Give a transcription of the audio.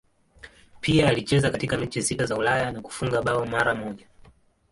Pia alicheza katika mechi sita za Ulaya na kufunga bao mara moja.